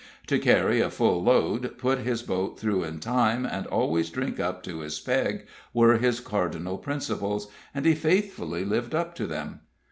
To carry a full load, put his boat through in time, and always drink up to his peg, were his cardinal principles, and he faithfully lived up to them.